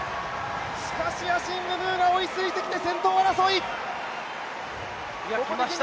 しかしアシング・ムーが追いついてきて先頭争い。